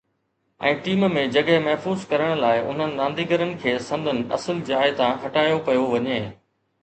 ۽ team ۾ جڳهه محفوظ ڪرڻ لاءِ انهن رانديگرن کي سندن اصل جاءِ تان هٽايو پيو وڃي